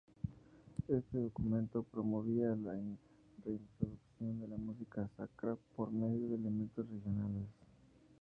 Éste documento promovía la reintroducción de la música sacra por medio de elementos regionales.